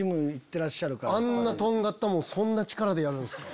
あんなとんがったもんそんな力でやるんすか。